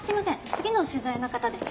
次の取材の方で。